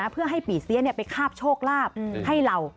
เพื่อให้ปีเสียไปคาบโชคลาภให้เรา